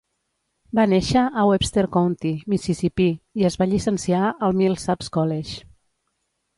Va néixer a Webster County, Mississipí, i es va llicenciar al Millsaps College.